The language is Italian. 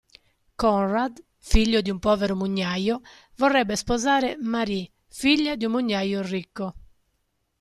Konrad, figlio di un povero mugnaio, vorrebbe sposare Marie, figlia di un mugnaio ricco.